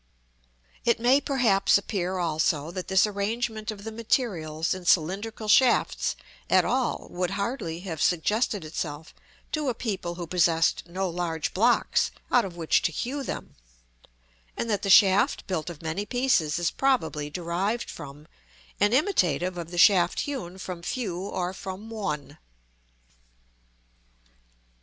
It may perhaps appear, also, that this arrangement of the materials in cylindrical shafts at all would hardly have suggested itself to a people who possessed no large blocks out of which to hew them; and that the shaft built of many pieces is probably derived from, and imitative of the shaft hewn from few or from one.